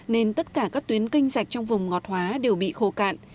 nên tất cả các tuyến canh dạch trong vùng ngọt hóa đều bị khô cạn